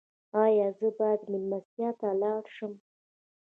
ایا زه باید میلمستیا ته لاړ شم؟